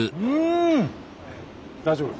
大丈夫？